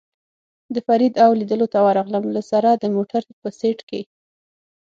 د فرید او لېدلو ته ورغلم، له سره د موټر په سېټ کې.